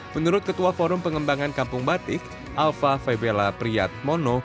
menurut ketua forum pengembangan kampung batik alva febela priat mono